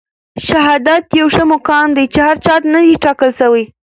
شهادت يو ښه مقام دی چي هر چاته نه دی ټاکل سوی.